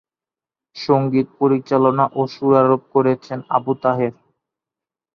সঙ্গীত পরিচালনা ও সুরারোপ করেছেন "আবু তাহের"।